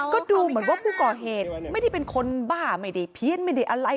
ก็ดูเหมือนว่าผู้ก่อเหตุไม่ได้เป็นคนบ้าไม่ได้เพี้ยนไม่ได้อะไร